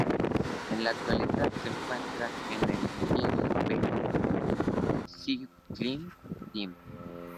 En la actualidad se encuentra en el Jelly Belly cycling Team.